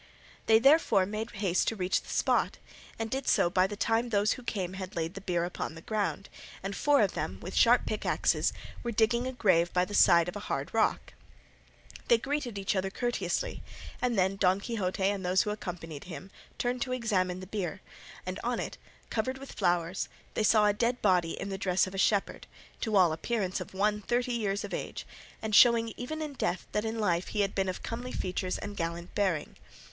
They therefore made haste to reach the spot, and did so by the time those who came had laid the bier upon the ground, and four of them with sharp pickaxes were digging a grave by the side of a hard rock. They greeted each other courteously, and then Don Quixote and those who accompanied him turned to examine the bier, and on it, covered with flowers, they saw a dead body in the dress of a shepherd, to all appearance of one thirty years of age, and showing even in death that in life he had been of comely features and gallant bearing.